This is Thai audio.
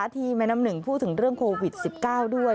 ที่แม่น้ำหนึ่งพูดถึงเรื่องโควิด๑๙ด้วย